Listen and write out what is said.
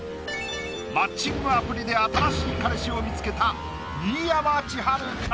マッチングアプリで新しい彼氏を見つけた新山千春か？